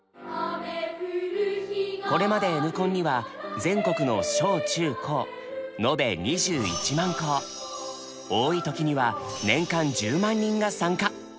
これまでＮコンには全国の小・中・高多い時には年間１０万人が参加。